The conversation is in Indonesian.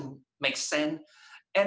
adalah pencobaan dan pencobaan